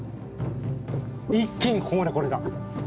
一気にここまで来られた。